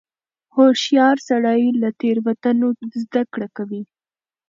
هوښیار سړی له تېروتنو زده کړه کوي.